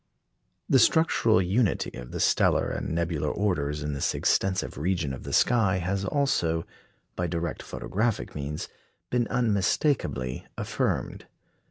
The structural unity of the stellar and nebular orders in this extensive region of the sky has also, by direct photographic means, been unmistakably affirmed.